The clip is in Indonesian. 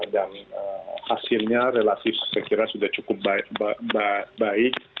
dan hasilnya relatif saya kira sudah cukup baik